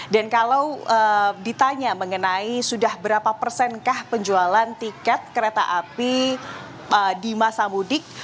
dan kalau ditanya mengenai sudah berapa persen kah penjualan tiket kereta api di masa mudik